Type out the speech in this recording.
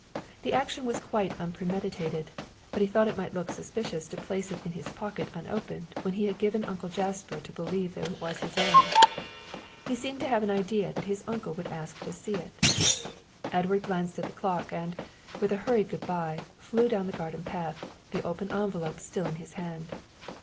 The action was quite unpremeditated, but he thought it might look suspicious to place it in his pocket unopened when he had given Uncle Jasper to believe it was his own. He seemed to have an idea that his uncle would ask to see it. Edward glanced at the clock, and, with a hurried good bye, flew down the garden path, the open envelope still in his hand.